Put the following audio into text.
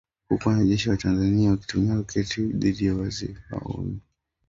huku wanajeshi wa Tanzania wakitumia roketi dhidi ya waasi hao wa M ishirini na tatu